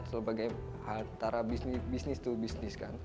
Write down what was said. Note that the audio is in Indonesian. seluruh bagian antara bisnis itu bisnis kan